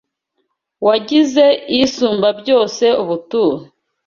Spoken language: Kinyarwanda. Wagize Isumbabyose ubuturo